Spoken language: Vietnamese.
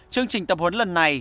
chương trình tập huấn lần này